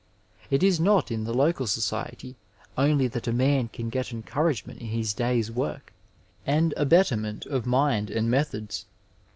It is not in the local society only that a man can get encouragement in his day's work and a betterment of mind and methods.